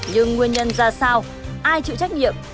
nhưng nguyên nhân ra sao ai chịu trách nhiệm